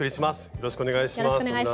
よろしくお願いします。